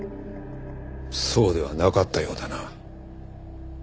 そうではなかったようだな。